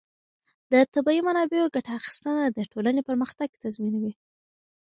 د طبیعي منابعو ګټه اخیستنه د ټولنې پرمختګ تضمینوي.